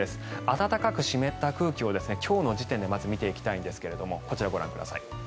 暖かく湿った空気を今日の時点でまず見ていきたいんですがこちらをご覧ください。